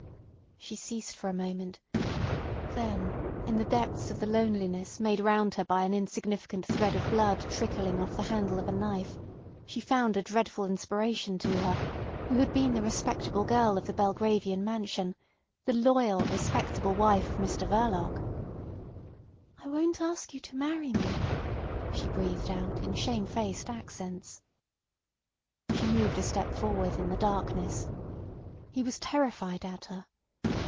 She ceased for a moment; then in the depths of the loneliness made round her by an insignificant thread of blood trickling off the handle of a knife, she found a dreadful inspiration to her—who had been the respectable girl of the Belgravian mansion, the loyal, respectable wife of Mr Verloc. "I won't ask you to marry me," she breathed out in shame faced accents. She moved a step forward in the darkness. He was terrified at her.